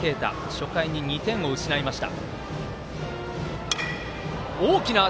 初回に２点を失いました。